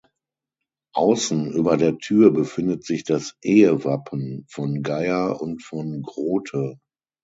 Außen über der Tür befindet sich das Ehewappen von Geyr und von Groote.